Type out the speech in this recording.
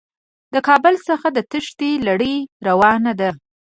د کابل څخه د تېښتې لړۍ روانه ده.